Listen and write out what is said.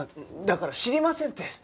だから知りませんって。